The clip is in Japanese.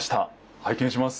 拝見します。